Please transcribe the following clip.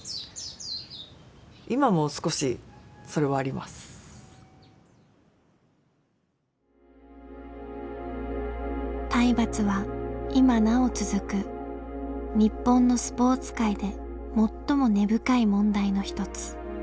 だから体罰は今なお続く日本のスポーツ界で最も根深い問題の一つ。